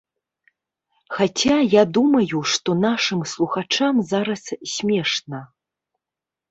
Хаця, я думаю, што нашым слухачам зараз смешна.